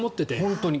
本当に。